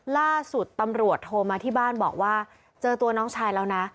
ล่าสุดตำรวจโทรมาที่บ้านบอกว่าเจอตัวน้องชายแล้วนะ